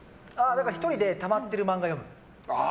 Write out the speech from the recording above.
１人でたまってる漫画読む。